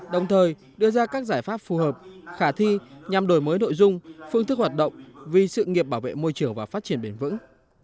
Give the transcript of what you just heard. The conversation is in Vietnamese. đồng thời đưa ra các giải pháp phù hợp khả thi nhằm đổi mới nội dung phương thức hoạt động vì sự nghiệp bảo vệ môi trường và phát triển bền vững